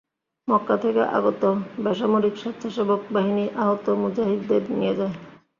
মক্কা থেকে আগত বেসামরিক স্বেচ্ছাসেবক বাহিনী আহত মুজাহিদদের নিয়ে যায়।